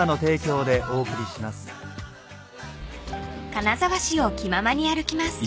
［金沢市を気ままに歩きます］